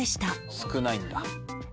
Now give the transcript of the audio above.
「少ないんだ」